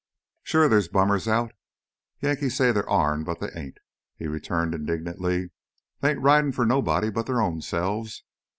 "Sure they's bummers out. Yankees say they's ourn, but they ain't!" he returned indignantly. "They ain't ridin' for nobody but their own selves.